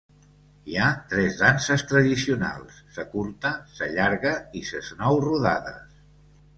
Hi ha tres danses tradicionals: sa curta, sa llarga i ses nou rodades.